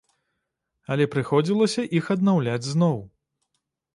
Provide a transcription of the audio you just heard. Але прыходзілася іх аднаўляць зноў.